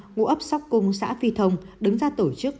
ngũ ấp sóc cung xã phi thông đứng ra tổ chức